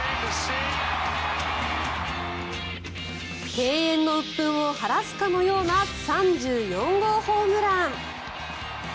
敬遠のうっ憤を晴らすかのような３４号ホームラン。